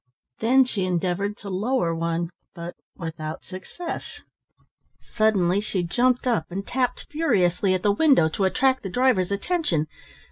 Then she endeavoured to lower one, but without success. Suddenly she jumped up and tapped furiously at the window to attract the driver's attention.